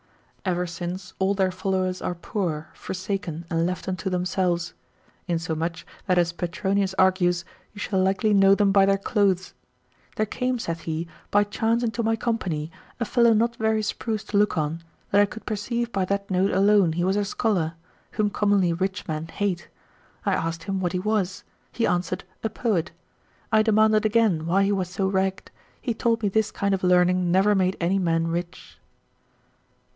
Ever since all their followers are poor, forsaken and left unto themselves. Insomuch, that as Petronius argues, you shall likely know them by their clothes. There came, saith he, by chance into my company, a fellow not very spruce to look on, that I could perceive by that note alone he was a scholar, whom commonly rich men hate: I asked him what he was, he answered, a poet: I demanded again why he was so ragged, he told me this kind of learning never made any man rich.